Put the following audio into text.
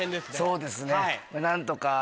そうですね何とか。